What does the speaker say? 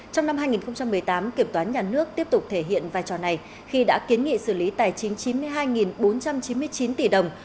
trong năm hai nghìn một mươi tám kiểm toán nhà nước tiếp tục thể hiện vai trò này khi đã kiến nghị xử lý tài chính chín mươi hai bốn trăm chín mươi chín tỷ đồng